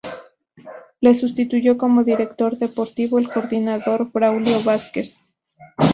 Le sustituyó como director deportivo el coordinador Braulio Vázquez.